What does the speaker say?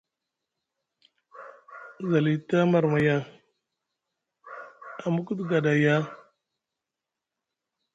Zalita marmaya, amuku te ga ɗa ya?